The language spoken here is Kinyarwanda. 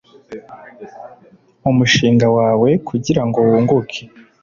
umushinga wawe kugira ngo wunguke